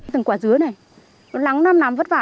từng quả dứa này lắng năm năm vất vả